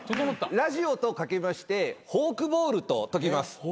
ラジオと掛けましてフォークボールと解きます。